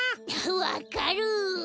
わかる！